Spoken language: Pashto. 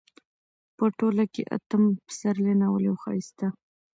په ټوله کې اتم پسرلی ناول يو ښايسته